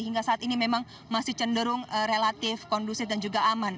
hingga saat ini memang masih cenderung relatif kondusif dan juga aman